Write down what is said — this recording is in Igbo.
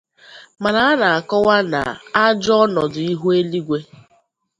Mana a na-akọwa na ajọ ọnọdụ ihu eluigwe